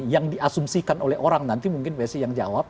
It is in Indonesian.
yang diasumsikan oleh orang nanti mungkin psi yang jawab